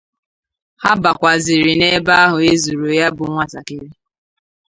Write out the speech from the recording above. Ha bàkwàzịrị n'ebe ahụ e zoro ya bụ nwatakịrị